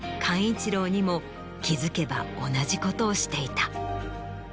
寛一郎にも気付けば同じことしていた。